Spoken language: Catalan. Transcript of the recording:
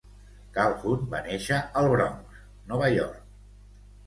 Calhoun va néixer al Bronx, Nova York.